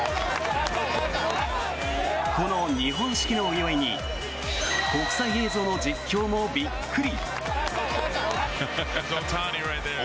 この日本式のお祝いに国際映像の実況もびっくり。